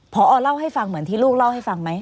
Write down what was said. พอเล่าให้ฟังเหมือนที่ลูกเล่าให้ฟังไหม